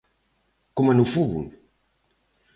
Coma no fútbol.